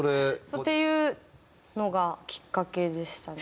っていうのがきっかけでしたね。